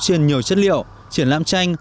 trên nhiều chất liệu triển lãm tranh